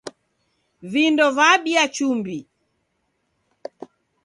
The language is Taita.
Vindo vabia chumbi.